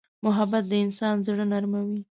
محبت د انسان زړه نرموي.